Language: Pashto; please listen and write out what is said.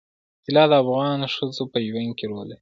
طلا د افغان ښځو په ژوند کې رول لري.